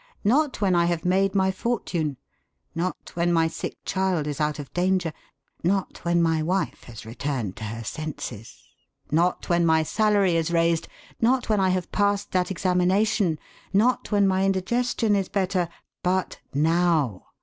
Not when I have made my fortune! Not when my sick child is out of danger! Not when my wife has returned to her senses! Not when my salary is raised! Not when I have passed that examination! Not when my indigestion is better! But _now!